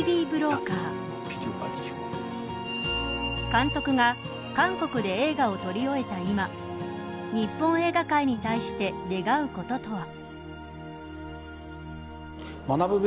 監督が韓国で映画を撮り終えた今日本映画界に対して願うこととは。